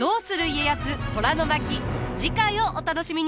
次回をお楽しみに。